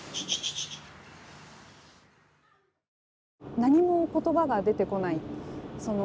何も言葉が出てこない。